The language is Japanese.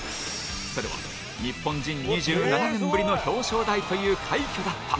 それは、日本人２７年ぶりの表彰台という快挙だった。